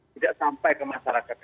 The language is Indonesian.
tidak sampai ke masyarakat